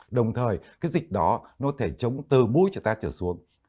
đồng thời cái dịch đó nó thể chống từ mũi cho ta trở xuống